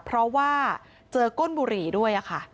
เพราะว่าเจอก้นบุหรี่ด้วยค่ะ